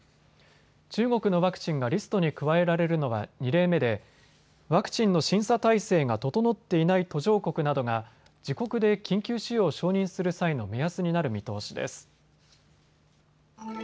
中国のワクチンがリストに加えられるのは２例目でワクチンの審査体制が整っていない途上国などが自国で緊急使用を承認する際の目安になる見通しです。